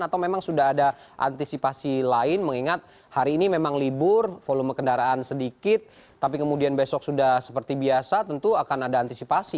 atau memang sudah ada antisipasi lain mengingat hari ini memang libur volume kendaraan sedikit tapi kemudian besok sudah seperti biasa tentu akan ada antisipasi